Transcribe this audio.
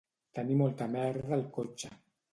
Tenir molta merda al cotxe